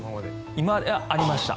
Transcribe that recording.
ありました？